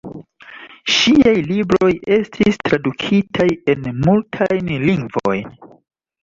Ŝiaj libroj estis tradukitaj en multajn lingvojn.